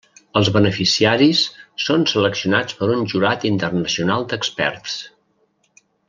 Els beneficiaris són seleccionats per un jurat internacional d'experts.